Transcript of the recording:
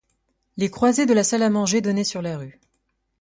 Les croisées de la salle à manger donnaient sur la rue.